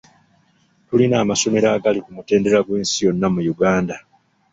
Tulina amasomero agali ku mutendera gw'ensi yonna mu Uganda